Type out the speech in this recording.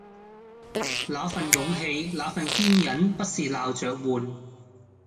那份勇氣、那份堅忍不是鬧著玩